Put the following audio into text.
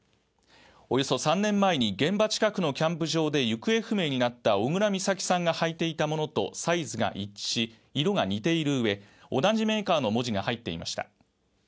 およそ３年前に現場近くのキャンプ場で行方不明になった小倉美咲さんが履いていたものとサイズが一致し色が似ている上同じメーカーの文字が入っていました